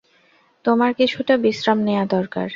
তোমার কিছুটা বিশ্রাম নেয়া দরকার।